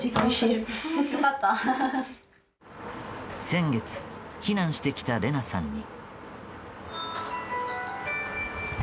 先月、避難してきたレナさんに。